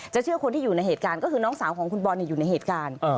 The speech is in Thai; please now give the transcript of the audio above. เชื่อคนที่อยู่ในเหตุการณ์ก็คือน้องสาวของคุณบอลอยู่ในเหตุการณ์